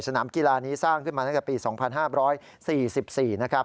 สนามกีฬานี้สร้างขึ้นมาตั้งแต่ปี๒๕๔๔นะครับ